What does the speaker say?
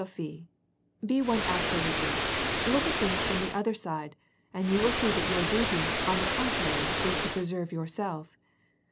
'* Bat yoQ are un pkilasaphe ; be one absolutely ; look at things from the other side, and jon will see that your duty, on the contrary, is to preserve yourself.